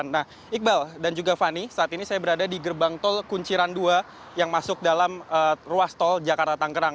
nah iqbal dan juga fani saat ini saya berada di gerbang tol kunciran dua yang masuk dalam ruas tol jakarta tanggerang